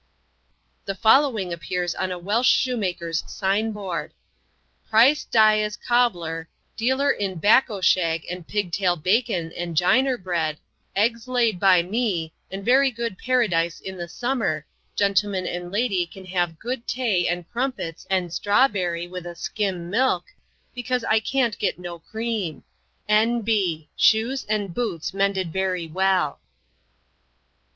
The following appears on a Welsh shoemaker's sign board: "Pryce Dyas Coblar, dealer in Bacco Shag and Pig Tail Bacon and Ginarbread, Eggs laid by me, and very good Paradise in the summer, Gentlemen and Lady can have good Tae and Crumpets and Straw berry with a scim milk, because I can't get no cream. N. B. Shuse and Boots mended very well."